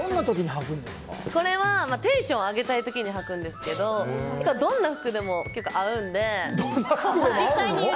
これはテンションを上げたいときに履くんですがどんな服でも結構合うので。